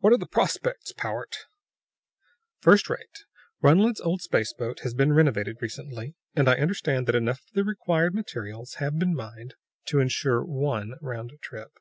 "What are the prospects, Powart?" "First rate. Runled's old space boat has been renovated recently, and I understand that enough of the required materials have been mined to insure one round trip."